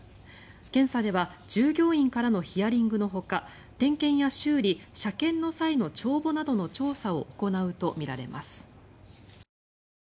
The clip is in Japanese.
検査では従業員からのヒアリングのほか点検や修理、車検の際の帳簿などの調査を行うとみられます。